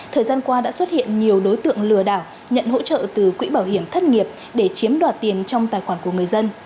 thời gian qua đã xuất hiện nhiều đối tượng lừa đảo nhận hỗ trợ từ quỹ bảo hiểm thất nghiệp để chiếm đoạt tiền trong tài khoản của người dân